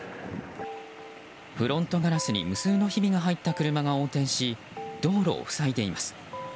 フロントガラスに無数のひびが入った車が横転し道路を塞いでいます。